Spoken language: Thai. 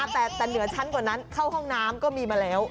แต่เหนือชั้นกว่านั้นเข้าห้องน้ำก็มีมาแล้ว